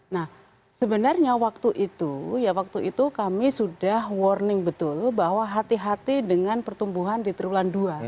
nah sebenarnya waktu itu kami sudah warning betul bahwa hati hati dengan pertumbuhan di triulan dua